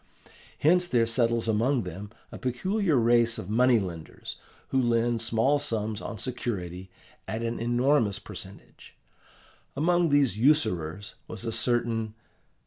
Hence there settles among them a peculiar race of money lenders who lend small sums on security at an enormous percentage. Among these usurers was a certain...